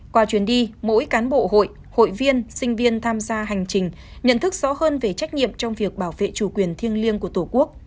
qua chuyến đi mỗi cán bộ hội hội viên sinh viên tham gia hành trình nhận thức rõ hơn về trách nhiệm trong việc bảo vệ chủ quyền thiêng liêng của tổ quốc